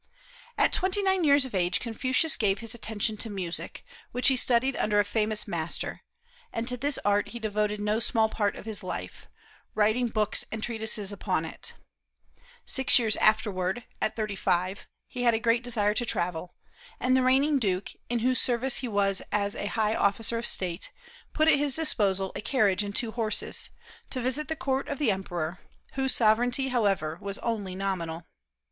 At twenty nine years of age Confucius gave his attention to music, which he studied under a famous master; and to this art he devoted no small part of his life, writing books and treatises upon it. Six years afterward, at thirty five, he had a great desire to travel; and the reigning duke, in whose service he was as a high officer of state, put at his disposal a carriage and two horses, to visit the court of the Emperor, whose sovereignty, however, was only nominal.